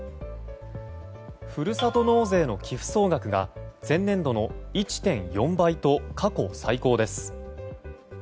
ふるさと納税の寄付総額が前年度の１．４倍と過去最高です。